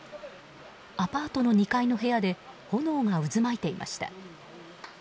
アパートの２階の部屋で炎が渦巻いていました。